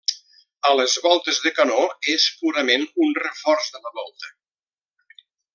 A les voltes de canó, és purament un reforç de la volta.